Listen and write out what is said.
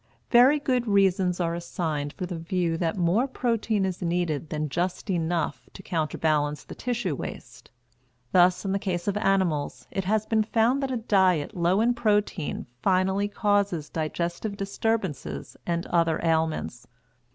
Very good reasons are assigned for the view that more protein is needed than just enough to counterbalance the tissue waste. Thus, in the case of animals, it has been found that a diet low in protein finally causes digestive disturbances and other ailments.